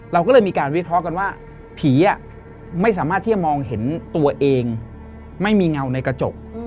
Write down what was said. เราก็เลยมีการวิเคราะห์กันว่าผีไม่สามารถที่จะมองเห็นตัวเองไม่มีเงาในกระจก